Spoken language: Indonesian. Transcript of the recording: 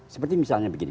seperti misalnya begini